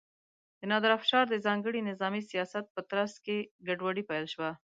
د نادر افشار د ځانګړي نظامي سیاست په ترڅ کې ګډوډي پیل شوه.